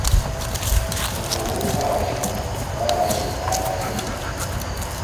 Mu kubuuka batyo baba bayimba akayimba.